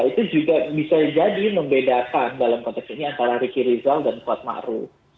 itu juga bisa jadi membedakan dalam konteks ini antara ricky rizal dan fuad ma'ru